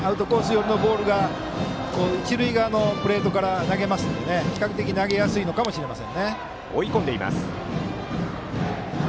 寄りのボールが一塁側のプレートから投げるので比較的、投げやすいのかもしれません。